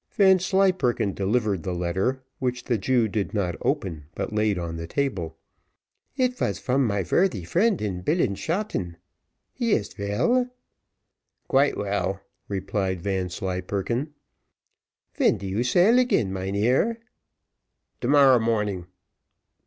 Vanslyperken delivered the letter, which the Jew did not open, but laid on the table. "It vas from my worthy friend in Billen Shaaten. He ist veil?" "Quite well," replied Vanslyperken. "Ven do you sail again, mynheer?" "To morrow morning."